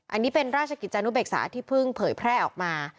อันนี้เป็นราชกิจจานุเบกษาที่เพิ่งเผยแพร่ออกมา